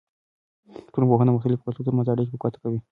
ټولنپوهنه د مختلفو کلتورونو ترمنځ اړیکې په ګوته کوي.